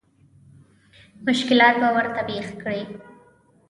مشکلات به ورته پېښ کړي.